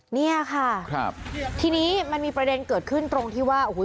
นี่ค่ะทีนี้มันมีประเด็นเกิดขึ้นตรงที่ว่าอุ๊ย